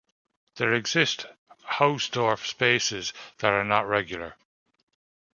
There exist Hausdorff spaces that are not regular.